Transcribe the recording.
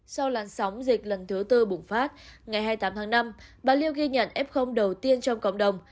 sau làn sóng dịch lần thứ tư bùng phát ngày hai mươi tám tháng năm bà liu ghi nhận f đầu tiên trong cộng đồng